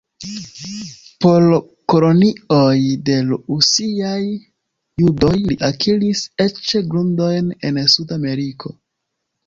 Por kolonioj de rusiaj judoj li akiris eĉ grundojn en Suda Ameriko.